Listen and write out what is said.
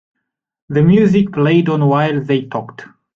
The music played on while they talked.